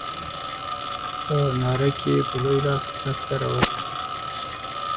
په ناره کې په لوی لاس سکته راولو.